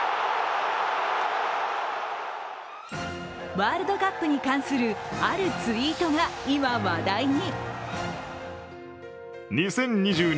ワールドカップに関するあるツイートが今、話題に。